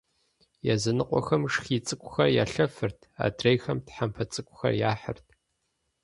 Языныкъуэхэм шхий цӏыкӏухэр ялъэфырт, адрейхэм тхьэмпэ цӏыкӏухэр яхьырт.